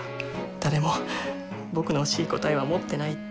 誰も僕の欲しい答えは持ってないって。